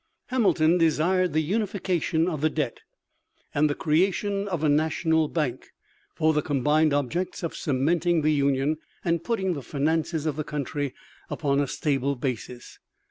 Hamilton desired the unification of the debt and the creation of a national bank, for the combined objects of cementing the Union and putting the finances of the country upon a stable basis.